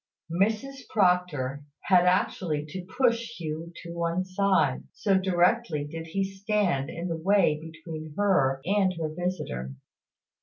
Mrs Proctor had actually to push Hugh to one side, so directly did he stand in the way between her and her visitor.